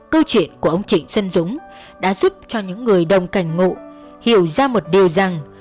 câu chuyện của ông trịnh xuân dũng đã giúp cho những người đồng cảnh ngộ hiểu ra một điều rằng